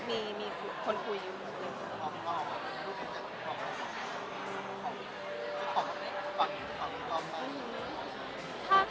พี่กอมพี่กอมหรือว่าเค้าคิดมากเป็นพี่น้องกลางค่ะ